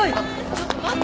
ちょっと待って。